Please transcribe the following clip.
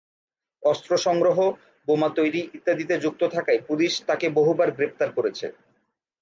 অস্ত্র সংগ্রহ, বোমা তৈরি ইত্যাদিতে যুক্ত থাকায় পুলিশ তাকে বহুবার গ্রেপ্তার করেছে।